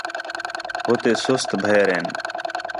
ہو تے سَت بھئیر ہِن